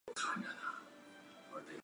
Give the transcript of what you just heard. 他们有自己的汗国。